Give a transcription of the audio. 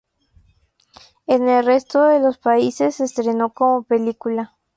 En el resto de los países se estrenó como película.